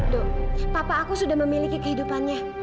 dok papa aku sudah memiliki kehidupannya